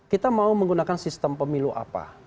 kita mau menggunakan sistem pemilu apa